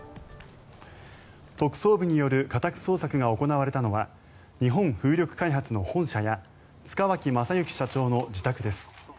特捜部による家宅捜索が行われたのは日本風力開発の本社や塚脇正幸社長の自宅です。